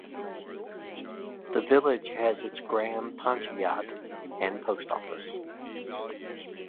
The village has its Gram Panchayat and Post Office.